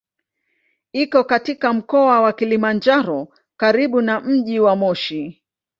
Iko katika Mkoa wa Kilimanjaro karibu na mji wa Moshi.